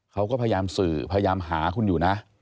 เขาก็พยายามสื่อพยายามหาคุณอยู่นะ